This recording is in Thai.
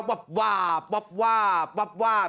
วาบวาบวาบวาบวาบวาบ